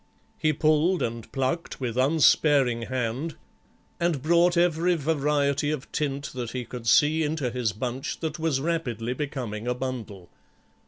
He pulled and plucked with unsparing hand, and brought every variety of tint that he could see into his bunch that was rapidly becoming a bundle.